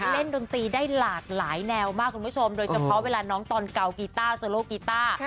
ดนตรีได้หลากหลายแนวมากคุณผู้ชมโดยเฉพาะเวลาน้องตอนเกากีต้าเจอโลกกีต้า